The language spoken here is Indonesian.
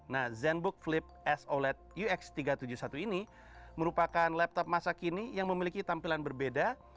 nah zenbook flip s oled ux tiga ratus tujuh puluh satu ini merupakan laptop masa kini yang memiliki tampilan berbeda